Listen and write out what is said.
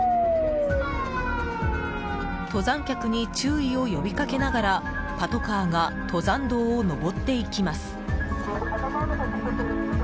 登山客に注意を呼びかけながらパトカーが登山道を登っていきます。